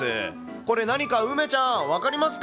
これ、何か、梅ちゃん、分かりますか？